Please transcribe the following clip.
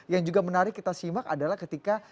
yang juga menarik kita simak adalah ketika